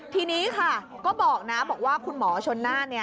ทีนี้บอกว่าคุณหมอชนนาน